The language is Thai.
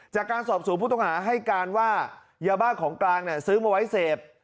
จากการสอบสวนผู้ต้องหาให้การว่ายาบ้าของกลางซื้อมาไว้เสพ